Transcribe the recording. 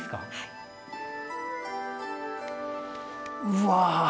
うわ。